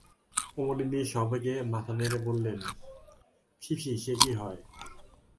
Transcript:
কুমুদিনী সবেগে মাথা নেড়ে বললে, ছি ছি, সে কি হয়?